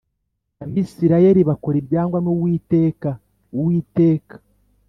Abisirayeli bakora ibyangwa n Uwiteka Uwiteka